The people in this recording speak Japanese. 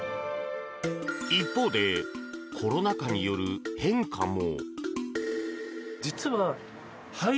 一方で、コロナ禍による変化も。